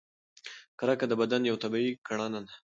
کرکه د بدن یوه طبیعي کړنه ده.